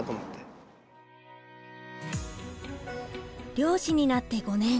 漁師になって５年。